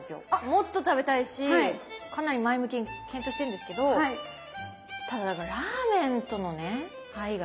もっと食べたいしかなり前向きに検討してるんですけどただ何かラーメンとのね愛が絆が強すぎて。